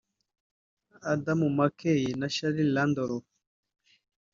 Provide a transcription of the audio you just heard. Adam McKay na Charles Randolph